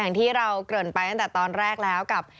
อย่างที่เราเกิดไปตอนแรกแล้วกับ